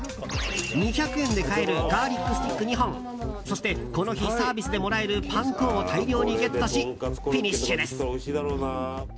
２００円で買えるガーリックスティック２本そして、この日サービスでもらえるパン粉を大量にゲットしフィニッシュです。